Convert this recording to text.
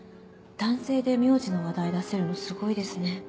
男性で名字の話題出せるのすごいですね。